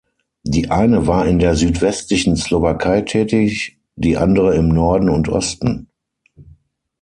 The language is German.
Die eine war in der südwestlichen Slowakei tätig, die andere im Norden und Osten.